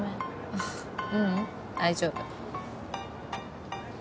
あっううん大丈夫。